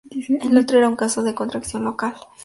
El otro era un caso de contracción local.